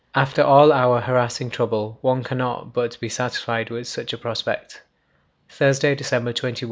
After all our harassing trouble one cannot but be satisfied with such a prospect. Thursday, December 21.